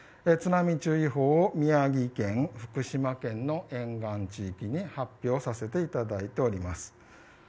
津波注意報を宮城県、福島県の沿岸地域に発表させていただいております。